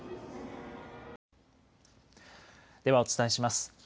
ではお伝えします。